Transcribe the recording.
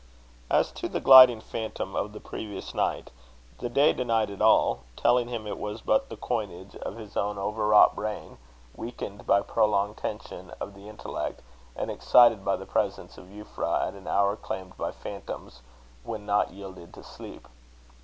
As to the gliding phantom of the previous night, the day denied it all, telling him it was but the coinage of his own over wrought brain, weakened by prolonged tension of the intellect, and excited by the presence of Euphra at an hour claimed by phantoms when not yielded to sleep.